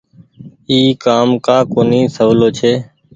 اي ڪآم ڪآ ڪونيٚ سولو ڇي۔